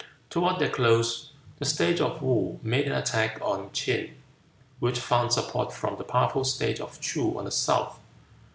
Toward their close, the state of Woo made an attack on Ch'in, which found support from the powerful state of Ts'oo on the south.